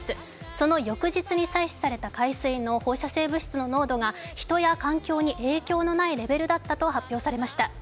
その翌日に採取された海水の放射性物質の濃度が人や環境に影響のないレベルだったと発表されました。